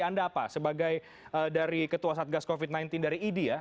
anda apa sebagai dari ketua satgas covid sembilan belas dari idi ya